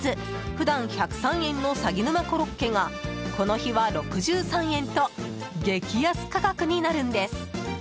普段１０３円のさぎ沼コロッケがこの日は６３円と激安価格になるんです。